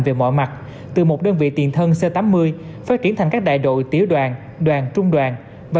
về mọi mặt từ một đơn vị tiền thân c tám mươi phát triển thành các đại đội tiểu đoàn đoàn trung đoàn và